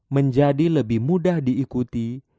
menjadi lebih mudah diikuti